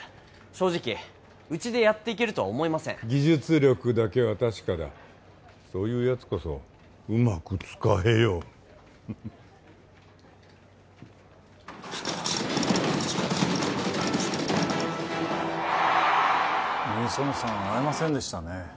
正直うちでやっていけるとは思えません技術力だけは確かだそういうやつこそうまく使えよミン・ソヌさん会えませんでしたね